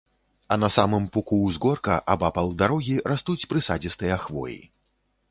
На самым пуку ўзгорка, абапал дарогі, растуць прысадзістыя хвоі.